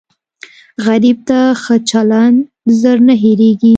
غریب ته ښه چلند زر نه هېریږي